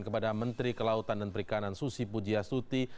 kepada menteri kelautan dan perikanan susi pujiastuti